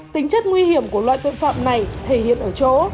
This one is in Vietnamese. tính chất nguy hiểm của loại tội phạm này thể hiện ở chỗ